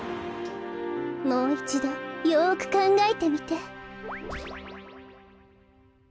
もういちどよくかんがえてみて。